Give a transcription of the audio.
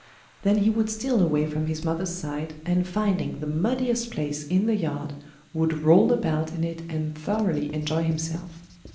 Then he would steal away from his mother's side, and finding the muddiest place in the yard, would roll about in it and thoroughly enjoy himself.